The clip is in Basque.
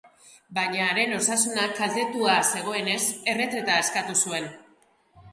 Baina haren osasuna kaltetua zegoenez, erretreta eskatu zuen.